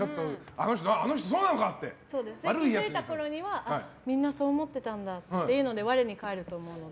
気づいたころにはみんなそう思っていたんだって我に返ると思うので。